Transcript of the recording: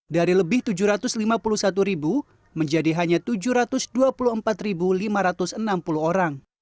dari lebih tujuh ratus lima puluh satu menjadi hanya tujuh ratus dua puluh empat lima ratus enam puluh orang